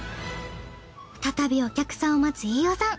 再びお客さんを待つ飯尾さん。